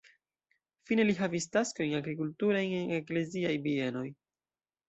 Fine li havis taskojn agrikulturajn en ekleziaj bienoj.